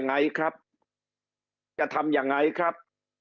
เราจะมีวิธีการยังไงครับ